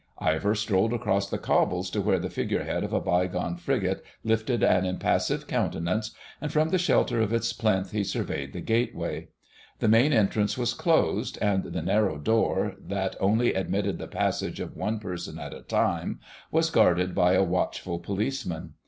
Ivor strolled across the cobbles to where the figurehead of a bygone frigate lifted an impassive countenance, and from the shelter of its plinth he surveyed the gateway. The main entrance was closed, and the narrow door, that only admitted the passage of one person at a time, was guarded by a watchful policeman.